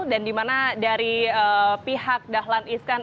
dan dimana dari pihak dahlan iskan